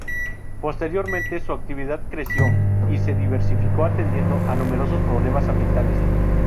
Posteriormente su actividad creció y se diversificó atendiendo a numerosos problemas ambientales.